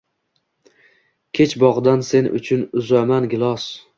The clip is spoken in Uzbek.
Kech bog’dan sen uchun uzaman gilos.